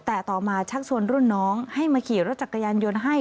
แต่ต่อมาชักชวนรุ่นน้องให้มาขี่รถจักรยานยนต์ให้